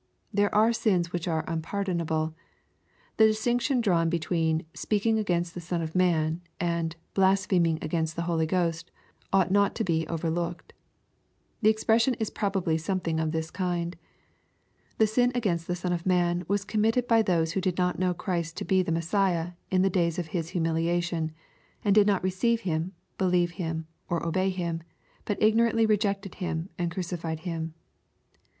There are sins which are unpardonable. — The distinction drawn between " speaking against the Son of man," and " blaspheming against the Holy Ghost," ought not to be over looked. The explanation is probably something of this kind. — The sin against the Son of man was committed by those who did not know Christ to be the Messiah in the days of His humiliation, and did not receive Him, believe Him, or obey Him, but ignorantly rejected Him, and crucified Him.